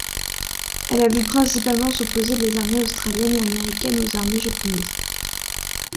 Elle a vu principalement s'opposer les armées australiennes et américaines aux armées japonaises.